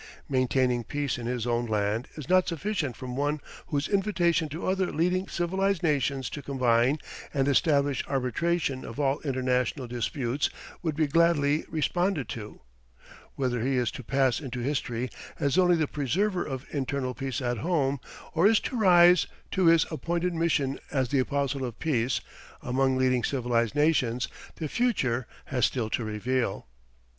Maintaining peace in his own land is not sufficient from one whose invitation to other leading civilized nations to combine and establish arbitration of all international disputes would be gladly responded to. Whether he is to pass into history as only the preserver of internal peace at home or is to rise to his appointed mission as the Apostle of Peace among leading civilized nations, the future has still to reveal.